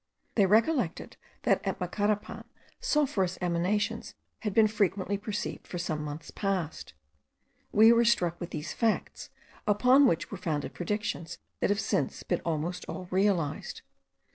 They recollected that at Macarapan, sulphurous emanations had been frequently perceived for some months past. We were struck with these facts, upon which were founded predictions that have since been almost all realized.